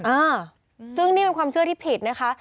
อ่าซึ่งนี่เป็นความเชื่อที่ผิดนะคะ